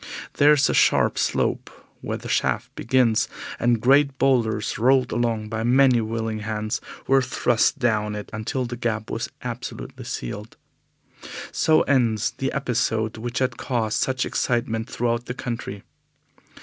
There is a sharp slope where the shaft begins, and great boulders, rolled along by many willing hands, were thrust down it until the Gap was absolutely sealed. So ends the episode which has caused such excitement throughout the country.